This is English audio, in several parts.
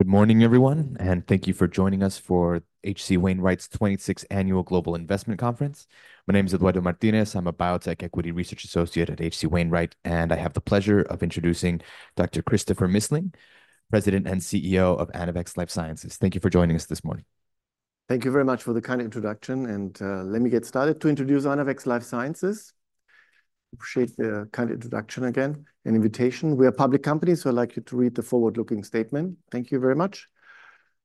Good morning, everyone, and thank you for joining us for H.C. Wainwright's twenty-sixth Annual Global Investment Conference. My name is Eduardo Martinez. I'm a biotech equity research associate at H.C. Wainwright, and I have the pleasure of introducing Dr. Christopher Missling, President and CEO of Anavex Life Sciences. Thank you for joining us this morning. Thank you very much for the kind introduction, and let me get started to introduce Anavex Life Sciences. Appreciate the kind introduction again and invitation. We are a public company, so I'd like you to read the forward-looking statement. Thank you very much.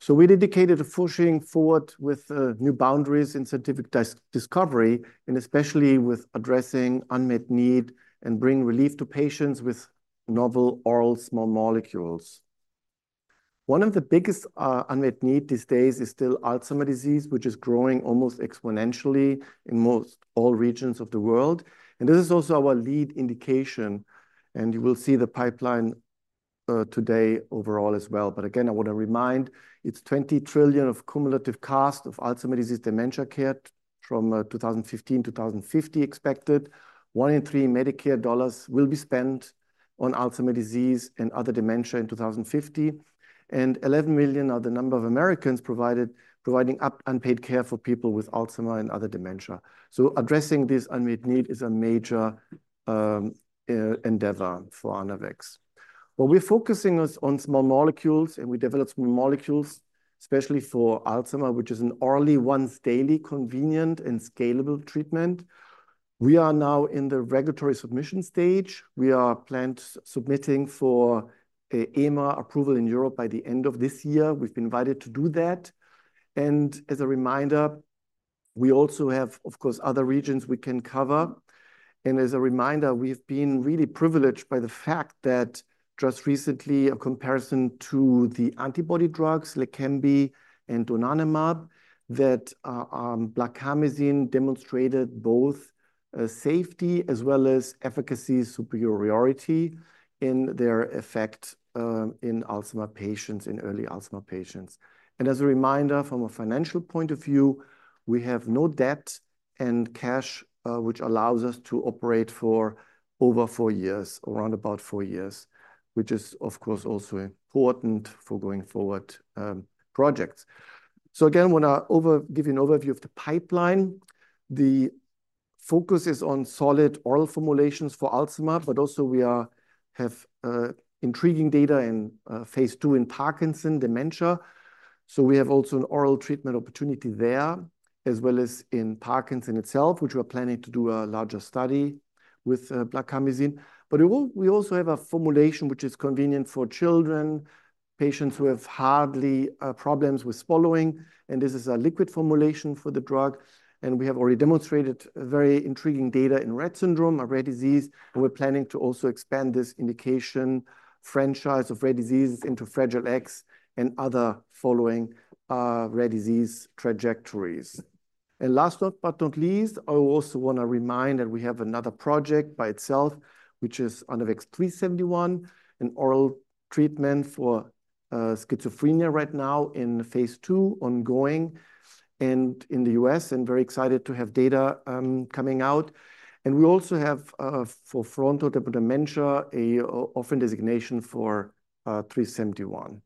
We're dedicated to pushing forward with new boundaries in scientific discovery, and especially with addressing unmet need and bringing relief to patients with novel oral small molecules. One of the biggest unmet need these days is still Alzheimer's disease, which is growing almost exponentially in most all regions of the world. This is also our lead indication, and you will see the pipeline today overall as well. Again, I want to remind, it's $20 trillion of cumulative cost of Alzheimer's disease dementia care from 2015 to 2050 expected. One in three Medicare dollars will be spent on Alzheimer's disease and other dementia in two thousand and fifty, and 11 million are the number of Americans providing unpaid care for people with Alzheimer's and other dementia. Addressing this unmet need is a major endeavor for Anavex. We're focusing on small molecules, and we develop small molecules, especially for Alzheimer's, which is an orally once daily, convenient, and scalable treatment. We are now in the regulatory submission stage. We plan submitting for EMA approval in Europe by the end of this year. We've been invited to do that. As a reminder, we also have, of course, other regions we can cover. And as a reminder, we've been really privileged by the fact that just recently, a comparison to the antibody drugs, Leqembi and donanemab, that blarcamesine demonstrated both safety as well as efficacy, superiority in their effect in Alzheimer's patients, in early Alzheimer's patients. And as a reminder, from a financial point of view, we have no debt and cash which allows us to operate for over four years, around about four years, which is, of course, also important for going forward projects. So again, I want to give you an overview of the pipeline. The focus is on solid oral formulations for Alzheimer's, but also we have intriguing data in phase two in Parkinson's dementia. We have also an oral treatment opportunity there, as well as in Parkinson's itself, which we're planning to do a larger study with blarcamesine. But we also have a formulation which is convenient for children, patients who have problems with swallowing, and this is a liquid formulation for the drug, and we have already demonstrated very intriguing data in Rett syndrome, a rare disease, and we're planning to also expand this indication franchise of rare diseases into Fragile X and other following rare disease trajectories. Last but not least, I also want to remind that we have another project by itself, which is Anavex 3-71, an oral treatment for schizophrenia right now in phase 2, ongoing, and in the U.S., and very excited to have data coming out. And we also have for frontotemporal dementia an orphan designation for 3-71.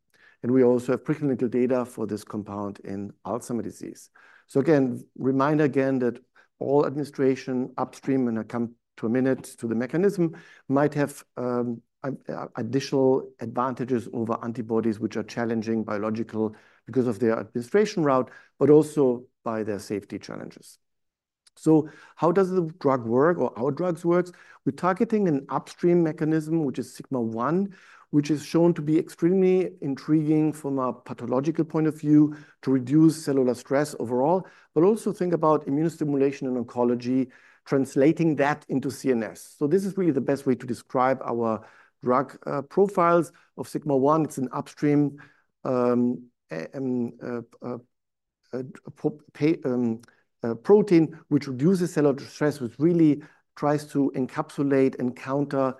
We also have preclinical data for this compound in Alzheimer's disease. Again, reminder that oral administration upstream, and I'll come to it in a minute to the mechanism, might have additional advantages over antibodies, which are challenging biologics because of their administration route, but also by their safety challenges. How does the drug work or how the drug works? We're targeting an upstream mechanism, which is sigma-one, which is shown to be extremely intriguing from a pathological point of view, to reduce cellular stress overall, but also think about immune stimulation and oncology, translating that into CNS. This is really the best way to describe our drug profiles of sigma-one. It's an upstream protein, which reduces cellular stress, which really tries to encapsulate and counter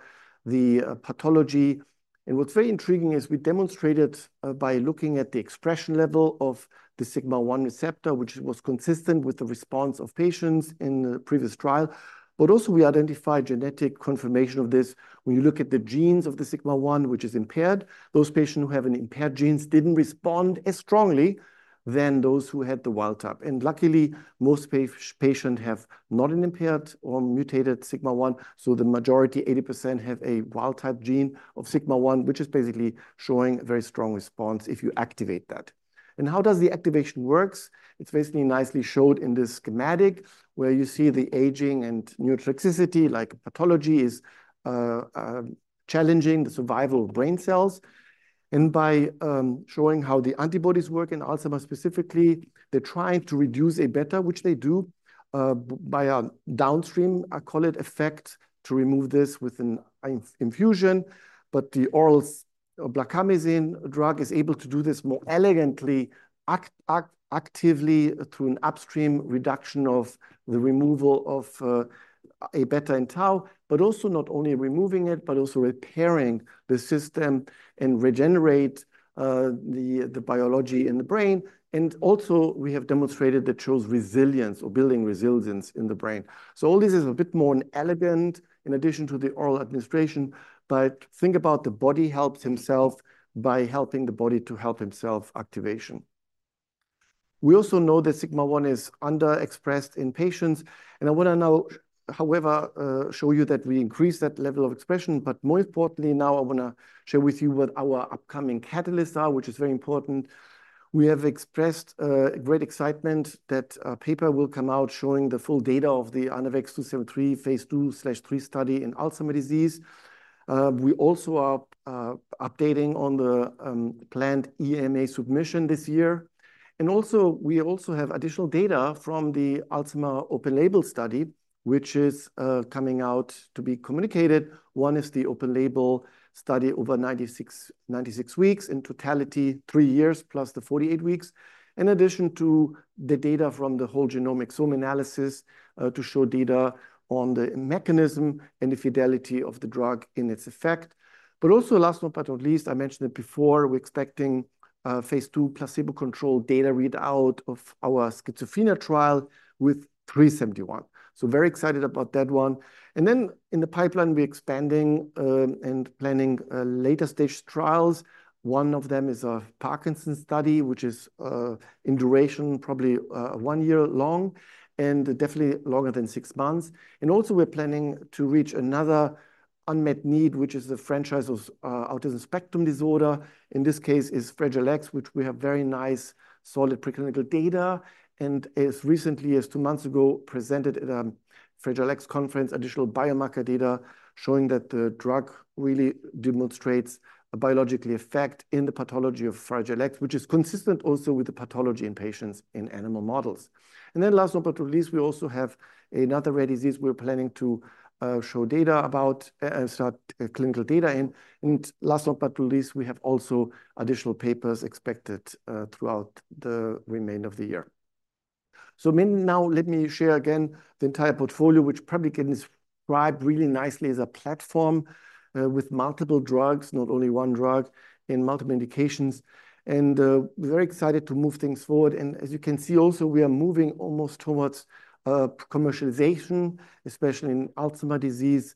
the pathology. And what's very intriguing is we demonstrated by looking at the expression level of the sigma-1 receptor, which was consistent with the response of patients in the previous trial, but also we identified genetic confirmation of this. When you look at the genes of the sigma-1, which is impaired, those patients who have an impaired genes didn't respond as strongly than those who had the wild type. And luckily, most patients have not an impaired or mutated sigma-1, so the majority, 80%, have a wild type gene of sigma-1, which is basically showing a very strong response if you activate that. And how does the activation works? It's basically nicely shown in this schematic, where you see the aging and neurotoxicity, like pathology is challenging the survival of brain cells. And by showing how the antibodies work in Alzheimer's, specifically, they're trying to reduce A-beta, which they do by a downstream, I call it, effect, to remove this with an infusion. But the oral blarcamesine drug is able to do this more elegantly, actively through an upstream reduction of the removal of A-beta and tau, but also not only removing it, but also repairing the system and regenerate the biology in the brain. And also, we have demonstrated that shows resilience or building resilience in the brain. So all this is a bit more elegant in addition to the oral administration, but think about the body helps himself by helping the body to help himself activation. We also know that sigma-1 is underexpressed in patients, and I want to now, however, show you that we increased that level of expression. But more importantly, now, I want to share with you what our upcoming catalysts are, which is very important. We have expressed great excitement that a paper will come out showing the full data of the ANAVEX 2-73 phase 2/3 study in Alzheimer's disease. We also are updating on the planned EMA submission this year. And also, we also have additional data from the Alzheimer's open-label study, which is coming out to be communicated. One is the open-label study over 96 weeks, in totality 3 years, plus the 48 weeks, in addition to the data from the whole-genome somatic analysis to show data on the mechanism and the fidelity of the drug in its effect, but also, last but not least, I mentioned it before, we're expecting phase 2, placebo-controlled data readout of our schizophrenia trial with 3-71, so very excited about that one, and then in the pipeline, we're expanding and planning later-stage trials. One of them is a Parkinson's study, which is, in duration, probably one year long, and definitely longer than six months, and also, we're planning to reach another unmet need, which is the franchise of autism spectrum disorder. In this case, is Fragile X, which we have very nice, solid preclinical data, and as recently as two months ago, presented at a Fragile X conference, additional biomarker data, showing that the drug really demonstrates a biological effect in the pathology of Fragile X, which is consistent also with the pathology in patients in animal models. And then last but not least, we also have another rare disease we're planning to show data about, start clinical data in. And last but not least, we have also additional papers expected throughout the remainder of the year. So maybe now let me share again the entire portfolio, which probably can describe really nicely as a platform with multiple drugs, not only one drug, in multiple indications, and we're very excited to move things forward. As you can see, also, we are moving almost towards commercialization, especially in Alzheimer's disease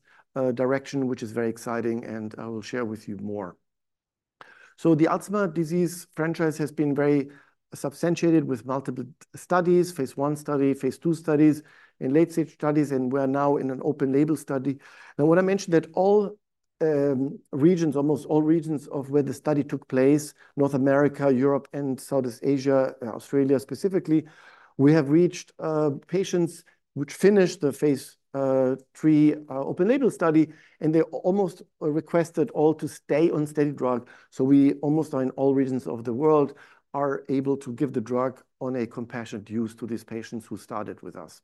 direction, which is very exciting, and I will share with you more. The Alzheimer's disease franchise has been very substantiated with multiple studies, phase 1 study, phase 2 studies, and late-stage studies, and we're now in an open-label study. Now, when I mentioned that all regions, almost all regions of where the study took place, North America, Europe, and Southeast Asia, Australia specifically, we have reached patients which finished the phase 3 open-label study, and they almost requested all to stay on steady drug. We almost, in all regions of the world, are able to give the drug on a compassionate use to these patients who started with us.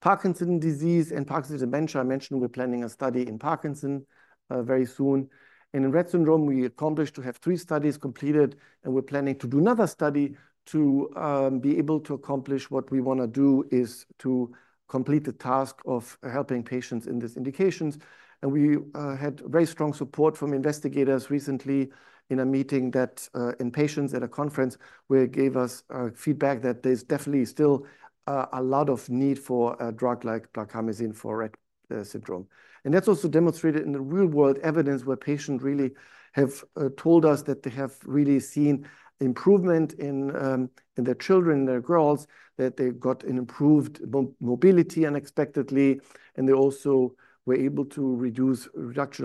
Parkinson's disease and Parkinson's dementia, I mentioned we're planning a study in Parkinson's very soon. In Rett syndrome, we accomplished to have three studies completed, and we're planning to do another study to be able to accomplish what we want to do is to complete the task of helping patients in these indications. We had very strong support from investigators recently in a meeting that in patients at a conference, where gave us feedback that there's definitely still a lot of need for a drug like blarcamesine for Rett syndrome. That's also demonstrated in the real-world evidence, where patients really have told us that they have really seen improvement in their children, their girls, that they've got an improved mobility unexpectedly, and they also were able to reduce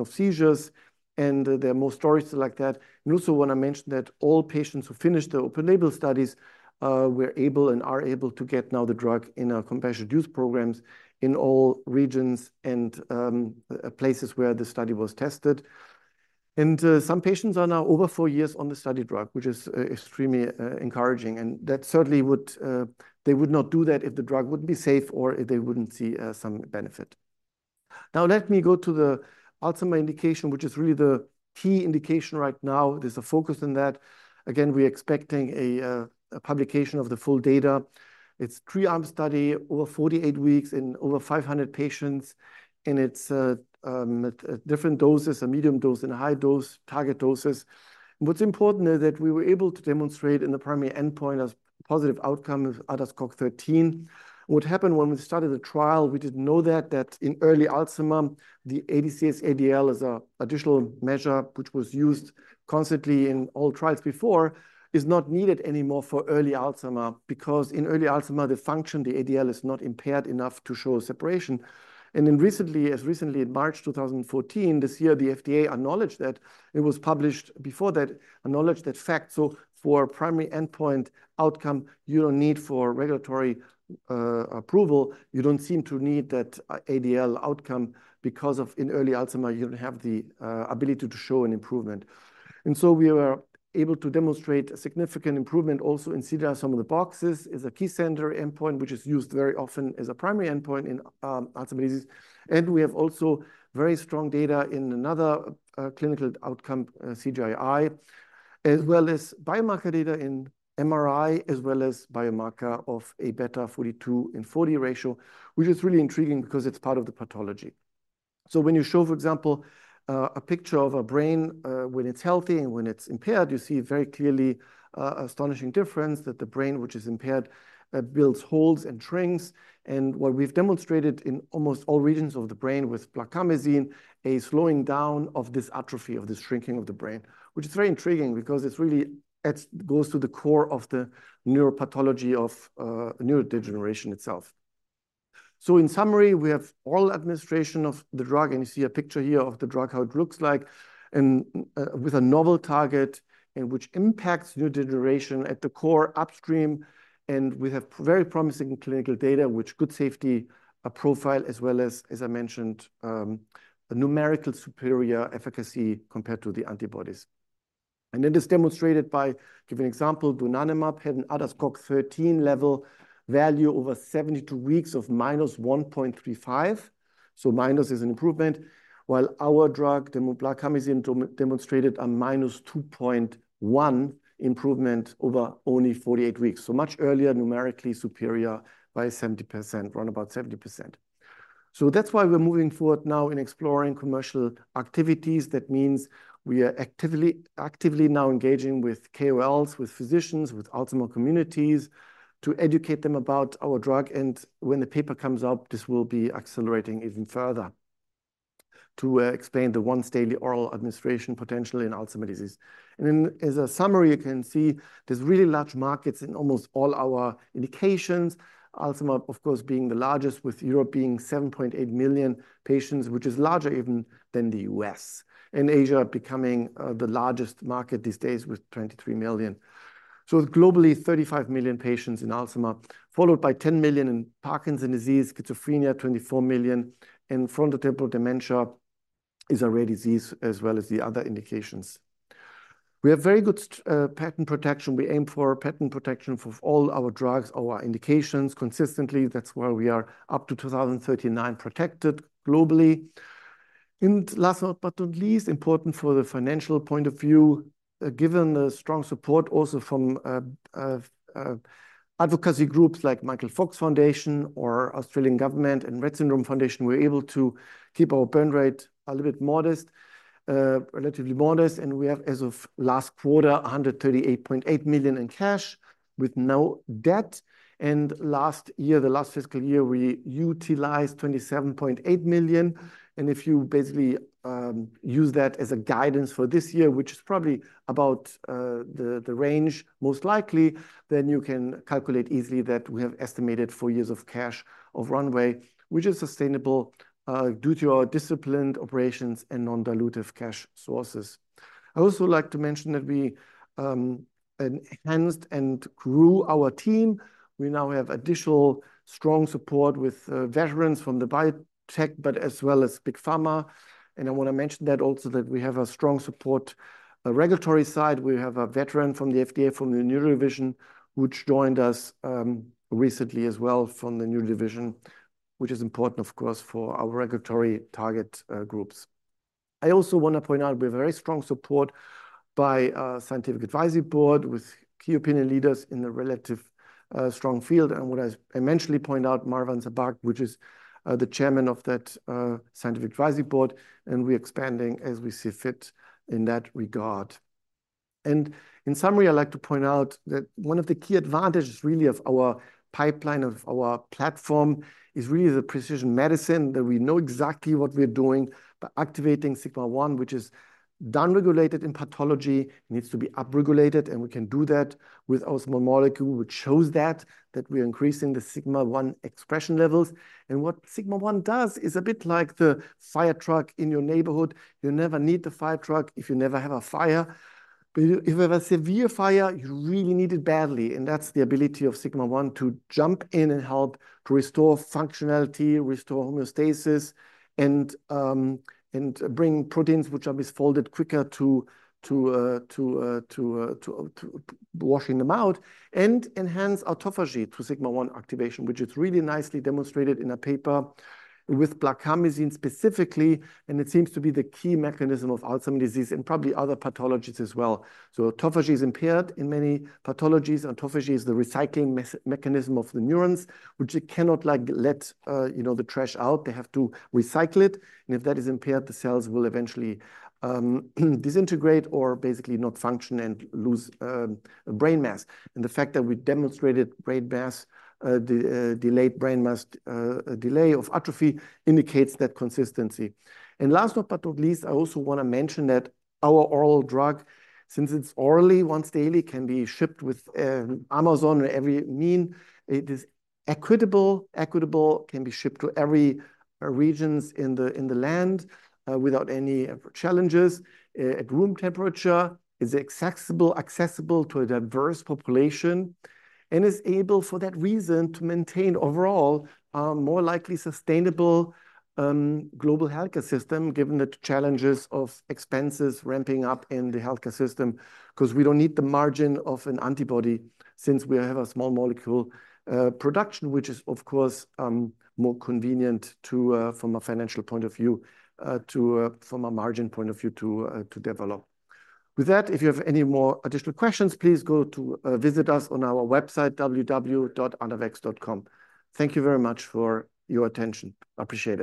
seizures, and there are more stories like that. I also want to mention that all patients who finished the open-label studies were able and are able to get now the drug in our compassionate use programs in all regions and places where the study was tested. Some patients are now over four years on the study drug, which is extremely encouraging, and that certainly they would not do that if the drug wouldn't be safe or if they wouldn't see some benefit. Now, let me go to the Alzheimer's indication, which is really the key indication right now. There's a focus on that. Again, we're expecting a publication of the full data. It's three-arm study, over forty-eight weeks in over five hundred patients, and it's different doses, a medium dose and a high dose, target doses. What's important is that we were able to demonstrate in the primary endpoint a positive outcome of ADAS-Cog13. What happened when we started the trial, we didn't know that in early Alzheimer, the ADCS-ADL is an additional measure, which was used constantly in all trials before, is not needed anymore for early Alzheimer. Because in early Alzheimer, the function, the ADL, is not impaired enough to show a separation, and then recently, as recently as March 2024, this year, the FDA acknowledged that it was published before that, acknowledged that fact, so for primary endpoint outcome, you don't need for regulatory approval, you don't seem to need that ADL outcome because of in early Alzheimer, you don't have the ability to show an improvement. And so we were able to demonstrate a significant improvement also in CDR Sum of Boxes, is a key secondary endpoint, which is used very often as a primary endpoint in Alzheimer's disease. And we have also very strong data in another clinical outcome, CGI, as well as biomarker data in MRI, as well as biomarker of A-beta 42/40 ratio, which is really intriguing because it's part of the pathology. So when you show, for example, a picture of a brain, when it's healthy and when it's impaired, you see very clearly astonishing difference that the brain, which is impaired, builds holes and shrinks. And what we've demonstrated in almost all regions of the brain with blarcamesine, a slowing down of this atrophy, of this shrinking of the brain, which is very intriguing because it goes to the core of the neuropathology of neurodegeneration itself. So in summary, we have oral administration of the drug, and you see a picture here of the drug, how it looks like, and with a novel target, and which impacts neurodegeneration at the core upstream. And we have very promising clinical data, with good safety profile, as well as, as I mentioned, a numerically superior efficacy compared to the antibodies. It is demonstrated by giving you an example. Donanemab had an ADAS-Cog13 level value over 72 weeks of -1.35, so minus is an improvement, while our drug, the blarcamesine, demonstrated a -2.1 improvement over only 48 weeks, much earlier, numerically superior by 70%, around about 70%. That's why we're moving forward now in exploring commercial activities. That means we are actively now engaging with KOLs, with physicians, with Alzheimer's communities, to educate them about our drug, and when the paper comes out, this will be accelerating even further to explain the once daily oral administration potential in Alzheimer's disease. As a summary, you can see there's really large markets in almost all our indications. Alzheimer's, of course, being the largest, with Europe being 7.8 million patients, which is larger even than the U.S., and Asia becoming the largest market these days with 23 million. So globally, 35 million patients in Alzheimer's, followed by 10 million in Parkinson's disease, schizophrenia, 24 million, and frontotemporal dementia is a rare disease as well as the other indications. We have very good strong patent protection. We aim for patent protection for all our drugs, all our indications, consistently. That's why we are up to 2039, protected globally. And last but not least important for the financial point of view, given the strong support also from advocacy groups like Michael J. Fox Foundation or Australian Government and Rett Syndrome Foundation, we're able to keep our burn rate a little bit modest, relatively modest. We have, as of last quarter, $138.8 million in cash with no debt. Last year, the last fiscal year, we utilized $27.8 million. If you basically use that as a guidance for this year, which is probably about the range, most likely, then you can calculate easily that we have estimated four years of cash of runway, which is sustainable due to our disciplined operations and non-dilutive cash sources. I also like to mention that we enhanced and grew our team. We now have additional strong support with veterans from the biotech, but as well as big pharma. I want to mention that also that we have a strong support. Regulatory side, we have a veteran from the FDA, from the neuro division, which joined us recently as well, which is important, of course, for our regulatory target groups. I also want to point out, we have a very strong support by scientific advisory board, with key opinion leaders in the relevant strong field. And what I mentioned, point out, Marwan Sabbagh, which is the Chairman of that scientific advisory board, and we're expanding as we see fit in that regard. In summary, I'd like to point out that one of the key advantages, really, of our pipeline, of our platform, is really the precision medicine, that we know exactly what we're doing by activating sigma-1, which is down-regulated in pathology, it needs to be up-regulated, and we can do that with our small molecule, which shows that we're increasing the sigma-1 expression levels. What sigma-1 does is a bit like the fire truck in your neighborhood. You never need the fire truck if you never have a fire, but if you have a severe fire, you really need it badly, and that's the ability of Sigma-one to jump in and help to restore functionality, restore homeostasis, and bring proteins, which are misfolded quicker to washing them out, and enhance autophagy through Sigma-one activation, which is really nicely demonstrated in a paper with blarcamesine specifically, and it seems to be the key mechanism of Alzheimer's disease and probably other pathologies as well. So autophagy is impaired in many pathologies. Autophagy is the recycling mechanism of the neurons, which it cannot, like, let, you know, the trash out. They have to recycle it, and if that is impaired, the cells will eventually disintegrate or basically not function and lose brain mass. And the fact that we demonstrated brain mass, delayed brain mass, delay of atrophy indicates that consistency. And last but not least, I also want to mention that our oral drug, since it's orally, once daily, can be shipped with Amazon or every means. It is equitable, can be shipped to every regions in the land without any challenges at room temperature, is accessible to a diverse population, and is able, for that reason, to maintain overall more likely sustainable global healthcare system, given the challenges of expenses ramping up in the healthcare system, 'cause we don't need the margin of an antibody since we have a small molecule production, which is, of course, more convenient to from a financial point of view to develop. With that, if you have any more additional questions, please go to visit us on our website, www.anavex.com. Thank you very much for your attention. I appreciate it.